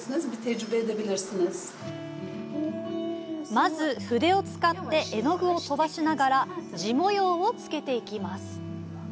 まず筆を使って絵の具を飛ばしながら地模様をつけていきます。